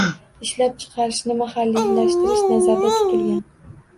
Ishlab chiqarishni mahalliylashtirish nazarda tutilgan